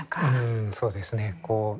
うんそうですね